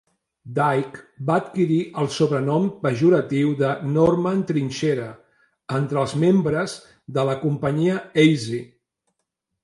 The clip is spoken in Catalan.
Dike va adquirir el sobrenom pejoratiu de "Norman Trinxera" entre els membres de la companyia Easy.